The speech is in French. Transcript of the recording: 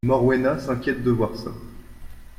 Morwenna s’inquiète de voir ça.